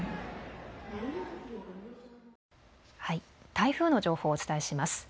台風の情報をお伝えします。